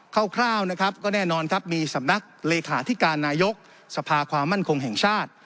คร่าวก็แน่นอนมีสำนักเลศาสตร์ธิการนายกสภาความมั่นคงแห่งชาติ